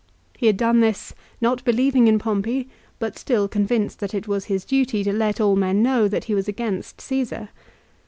He had done this, not believing in Pompey, but still convinced that it was his duty to let all men know that he was against Caesar.